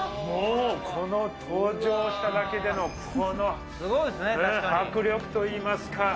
もうこの、登場しただけでの、この迫力といいますか。